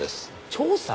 調査？